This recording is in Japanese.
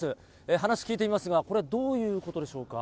話聞いてみますが、これ、どういうことでしょうか？